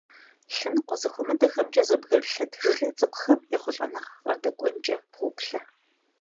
Лъэныкъуэ зэхуэмыдэхэмкӀэ зэбгрылъэт жылэ цӀыкӀухэм ехъулӀэныгъэ къадэкӏуэнкӀэ поплъэ.